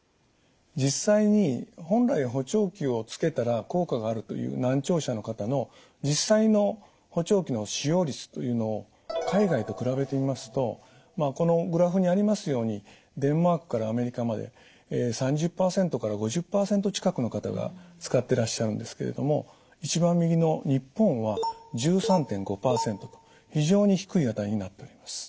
実際に本来補聴器をつけたら効果があるという難聴者の方の実際の補聴器の使用率というのを海外と比べてみますとこのグラフにありますようにデンマークからアメリカまで３０％から５０％近くの方が使ってらっしゃるんですけれども一番右の日本は１３．５％と非常に低い値になっております。